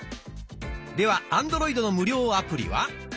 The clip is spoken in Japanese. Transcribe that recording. ではアンドロイドの無料アプリは？